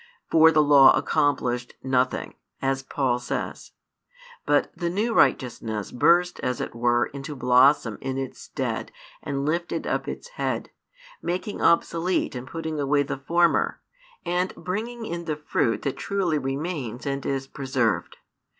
For the Law accomplished nothing, as Paul says; but the new righteousness burst as it were into blossom in its stead and lifted up its head, making obsolete and putting away the former, and bringing in the fruit that truly remains and is preserved.